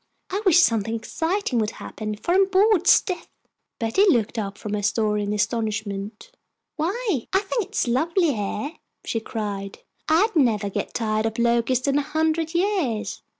I wish something exciting would happen, for I'm bored stiff." Betty looked up from her story in astonishment. "Why, I think it is lovely here!" she cried. "I'd never get tired of Locust in a hundred years!"